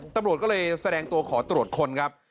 ตำรวจก็เลยแสดงตัวขอตรวจคนครับ